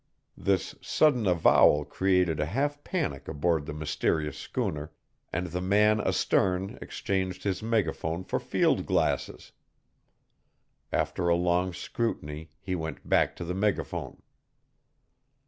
This sudden avowal created a half panic aboard the mysterious schooner, and the man astern exchanged his megaphone for field glasses. After a long scrutiny he went back to the megaphone.